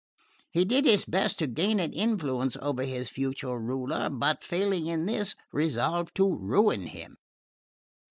He did his best to gain an influence over his future ruler, but failing in this resolved to ruin him.